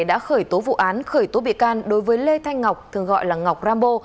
đã khởi tố vụ án khởi tố bị can đối với lê thanh ngọc thường gọi là ngọc rambo